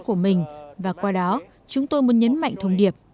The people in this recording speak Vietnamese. chúng tôi chọn cuộc thi của mình và qua đó chúng tôi muốn nhấn mạnh thông điệp